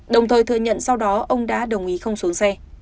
đồng thời thừa nhận sau đó ông đã đồng ý không xuống xe